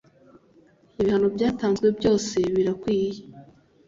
Ibihano byatanzwe byose birakwiye